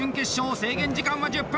制限時間は１０分！